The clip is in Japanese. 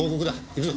行くぞ。